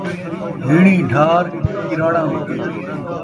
ہیݨی ڈھار ، کراڑاں وڳے